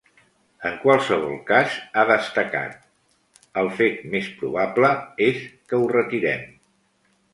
En qualsevol cas, ha destacat: “El fet més probable és que ho retirem”.